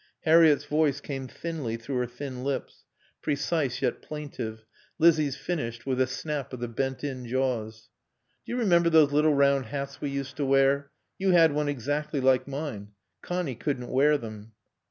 Harriett's voice came thinly through her thin lips, precise yet plaintive, Lizzie's finished with a snap of the bent in jaws. "Do you remember those little round hats we used to wear? You had one exactly like mine. Connie couldn't wear them."